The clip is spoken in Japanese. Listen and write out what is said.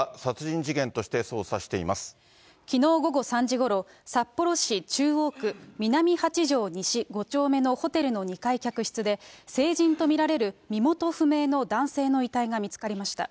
警察は、きのう午後３時ごろ、札幌市中央区南８条西５丁目のホテルの２階客室で、成人と見られる身元不明の男性の遺体が見つかりました。